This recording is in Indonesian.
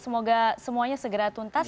semoga semuanya segera tuntas